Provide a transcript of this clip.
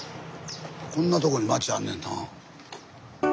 こんなとこに町あんねんな。